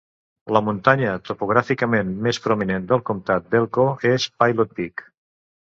La muntanya topogràficament més prominent del comtat d'Elko és Pilot Peak.